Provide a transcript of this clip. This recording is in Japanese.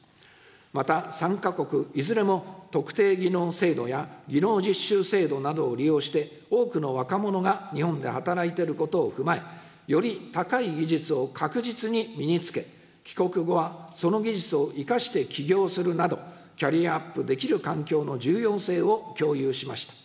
また、３か国いずれも特定技能制度や技能実習制度などを利用して、多くの若者が日本で働いてることを踏まえ、より高い技術を確実に身につけ、帰国後はその技術を生かして起業するなど、キャリアアップできる環境の重要性を共有しました。